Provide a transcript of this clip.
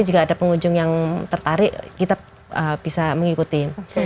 jika ada pengunjung yang tertarik kita bisa mengikuti